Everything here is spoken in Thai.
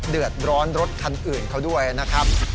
เดือดร้อนรถคันอื่นเขาด้วยนะครับ